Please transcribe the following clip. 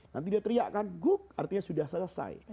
nanti dia teriak kan guk artinya sudah selesai